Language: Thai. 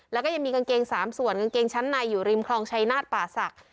แล้วก็ยังมีกางเกง๓ส่วนกางเกงชั้นในอยู่ริมคลองชายนาฏป่าศักดิ์